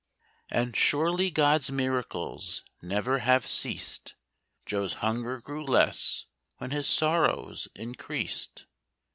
And surely God's miracles never have ceased Joe's hunger grew less when his sorrows increased.